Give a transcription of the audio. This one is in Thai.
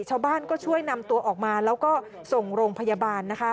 ชาวบ้านก็ช่วยนำตัวออกมาแล้วก็ส่งโรงพยาบาลนะคะ